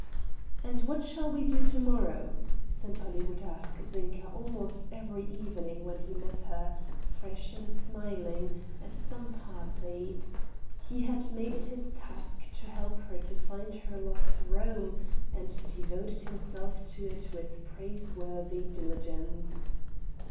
"And what shall we do to morrow?" Sempaly would ask Zinka almost every evening when he met her, fresh and smiling, at some party; he had made it his task to help her to find her lost Rome and devoted himself to it with praiseworthy diligence.